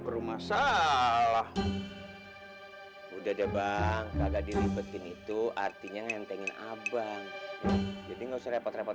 perumah salah udah deh bang kagak dilibatkan itu artinya ngentengin abang jadi ngusir repot repot